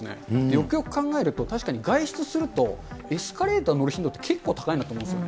よくよく考えると、確かに外出すると、エスカレーター乗る頻度って結構高いなと思うんですよ。